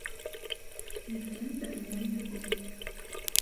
Ніхто не даганяў яго.